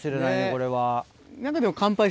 これは。